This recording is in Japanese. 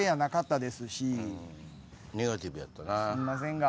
すんませんが。